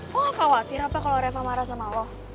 lo nggak khawatir apa kalau reva marah sama lo